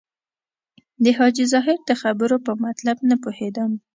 د حاجي ظاهر د خبرو په مطلب نه پوهېدم.